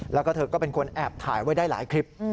แล้วก็เธอก็เป็นคนแอบถ่ายไว้ได้หลายคลิป